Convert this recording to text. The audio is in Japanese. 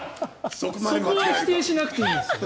そこは否定しなくていいですよね。